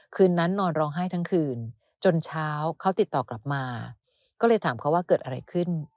คืนนั้นนอนร้องไห้ทั้งคืนจนเช้าเขาติดต่อกลับมาก็เลยถามเขาว่าเกิดอะไรขึ้น